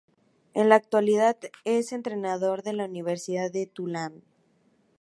En la actualidad es entrenador de la Universidad de Tulane.